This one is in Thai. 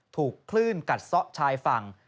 ถูกคลื่นกัดซ่อชายฝั่ง